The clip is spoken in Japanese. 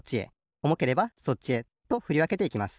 おもければそっちへとふりわけていきます。